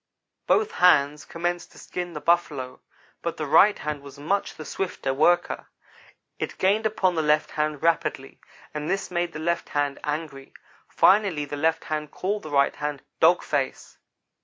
"Both hands commenced to skin the Buffalo, but the right hand was much the swifter worker. It gained upon the left hand rapidly, and this made the left hand angry. Finally the left hand called the right hand 'dog face.'